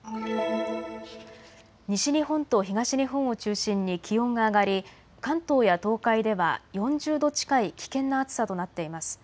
西日本と東日本を中心に気温が上がり関東や東海では４０度近い危険な暑さとなっています。